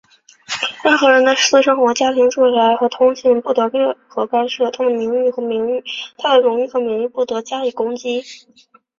任何人的私生活、家庭、住宅和通信不得任意干涉,他的荣誉和名誉不得加以攻击。